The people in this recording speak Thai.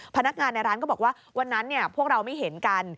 พนักงานในร้านก็บอกว่าวันนั้นพวกเราไม่เห็นกัน